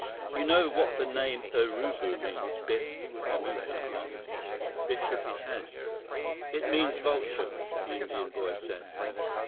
"You know what the name Urubu means, Biff?" Kamuka asked. Biff shook his head. "It means vulture," the Indian boy said.